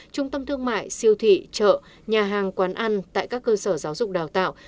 trung tâm thương mại siêu thị chợ nhà hàng quán ăn tại các cơ sở giáo dục đào tạo